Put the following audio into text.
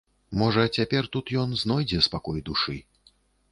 Можа цяпер тут ён знойдзе спакой душы.